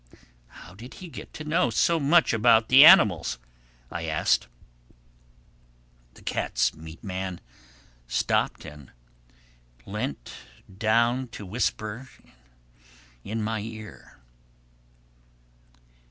"How did he get to know so much about animals?" I asked. The cat's meat man stopped and leant down to whisper in my ear.